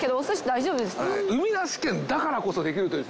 海なし県だからこそできるというですね